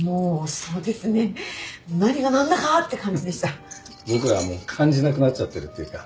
僕らはもう感じなくなっちゃってるっていうか。